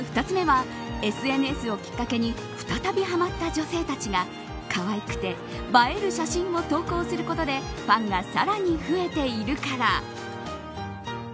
２つ目はＳＮＳをきっかけに再びはまった女性たちがかわいくて映える写真を投稿することでファンがさらに増えているから。